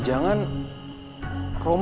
jam delapan malam